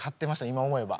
今思えば。